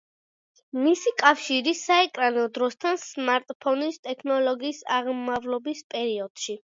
მისი კავშირი საეკრანო დროსთან სმარტფონის ტექნოლოგიის აღმავლობის პერიოდში“.